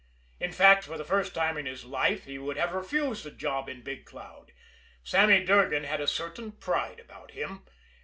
In fact, for the first time in his life, he would have refused a job in Big Cloud. Sammy Durgan had a certain pride about him.